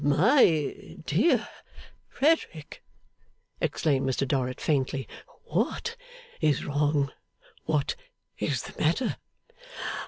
'My dear Frederick!' exclaimed Mr Dorrit faintly. 'What is wrong? What is the matter?